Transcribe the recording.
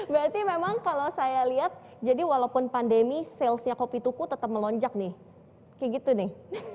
berarti memang kalau saya lihat jadi walaupun pandemi salesnya kopi tuku tetap melonjak nih kayak gitu nih